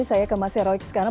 saya ke mas heroik sekarang